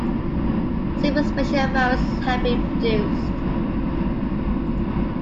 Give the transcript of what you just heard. Several special variants have been produced.